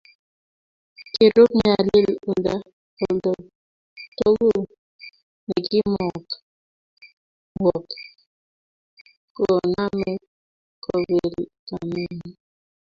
Kirub nyalil oldo togul ne ki wok koname kopir kamenyii